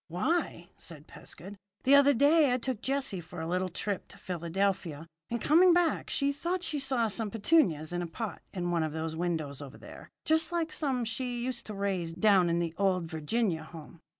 "Why," said Pescud, "the other day I took Jessie for a little trip to Philadelphia, and coming back she thought she saw some petunias in a pot in one of those windows over there just like some she used to raise down in the old Virginia home.